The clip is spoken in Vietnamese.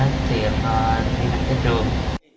và tiền đặt trên trường